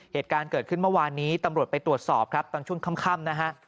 เหตุการณ์เกิดขึ้นเมื่อวานนี้ตำรวจไปตรวจสอบครับตอนช่วงค่ำนะฮะ